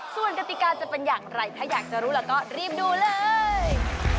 ส่วนกติกาจะเป็นอย่างไรถ้าอยากจะรู้แล้วก็รีบดูเลย